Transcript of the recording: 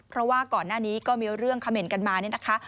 เพราะว่าก่อนหน้านี้ก็มีเรื่องเขม่นกันมาเนี่ยนะคะ